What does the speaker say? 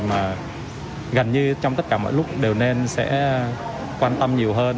mà gần như trong tất cả mọi lúc đều nên sẽ quan tâm nhiều hơn